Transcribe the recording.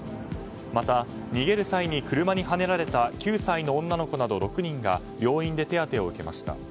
また、逃げる際に車にはねられた９歳の女の子など、６人が病院で手当てを受けました。